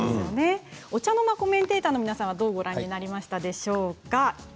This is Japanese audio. お茶の間コメンテーターの皆さんはどう見ましたでしょうか。